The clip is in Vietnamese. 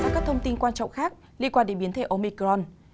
và các thông tin quan trọng khác liên quan đến biến thể omicron